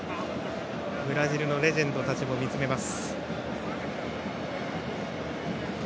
ブラジルのレジェンドたちも見つめます。